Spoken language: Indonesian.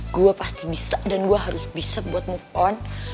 aku pasti bisa dan aku harus bisa untuk bergerak ke depan